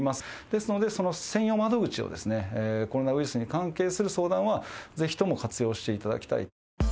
ですので、その専用窓口を、コロナウイルスに関係する相談は、ぜひとも活用していただきたい。